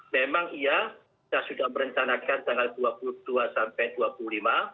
memang iya kita sudah merencanakan tanggal dua puluh dua sampai dua puluh lima